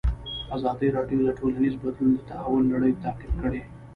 ازادي راډیو د ټولنیز بدلون د تحول لړۍ تعقیب کړې.